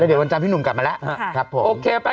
เดี๋ยววันจันพี่หนุ่มกลับมาแล้ว